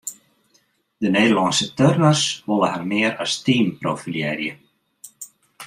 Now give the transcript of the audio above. De Nederlânske turners wolle har mear as team profilearje.